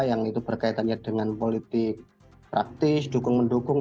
yang itu berkaitannya dengan politik praktis dukung mendukung